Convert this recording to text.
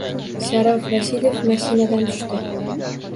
Sharof Rashidov mashinadan tushdi.